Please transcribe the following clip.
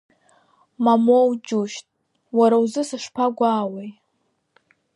Мамоу, џьушьҭ, уара узы сышԥагәаауеи?